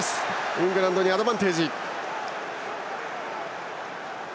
イングランドにアドバンテージ。